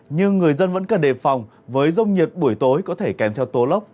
nhưng người dân vẫn cần đề phòng với rông nhiệt buổi tối có thể kèm theo tố lốc